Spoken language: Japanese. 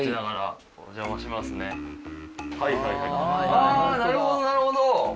あなるほどなるほど。